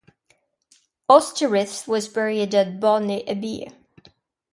Osthryth was buried at Bardney Abbey.